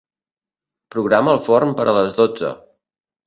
Programa el forn per a les dotze.